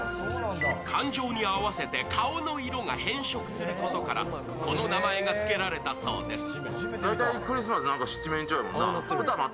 感情に合わせて顔の色が変色することからこの名前がつけられたそうです。